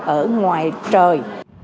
ở ngoài trời